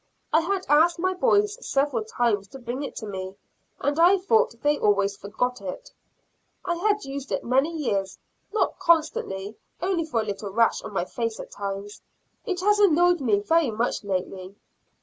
I had asked my boys several times to bring it to me, and I thought they always forgot it. I had used it many years, not constantly, only for a little rash on my face at times; it has annoyed me very much lately.